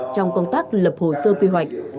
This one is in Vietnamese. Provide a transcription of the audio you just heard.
trong công tác lập hồ sơ quy hoạch